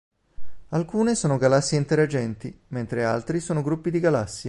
Alcune sono galassie interagenti, mentre altri sono gruppi di galassie.